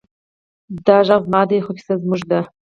دا غږ زما دی، خو کیسه زموږ ده.